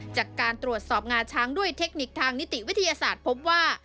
จากการตรวจสอบงาช้างด้วยเทคนิคทางนิติวิทยาศาสตร์พบว่า